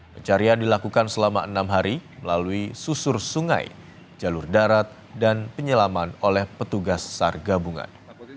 pencarian dilakukan selama enam hari melalui susur sungai jalur darat dan penyelaman oleh petugas sar gabungan